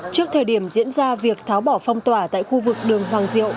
trước thời điểm diễn ra việc tháo bỏ phong tỏa tại khu vực đường hoàng diệu